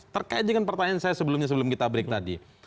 terkait dengan pertanyaan saya sebelumnya sebelum kita break tadi